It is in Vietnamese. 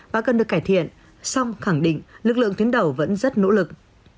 và cần được cải thiện song khẳng định lực lượng tuyến đầu vẫn rất nỗ lực